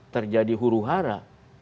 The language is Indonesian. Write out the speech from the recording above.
terjadi huru hara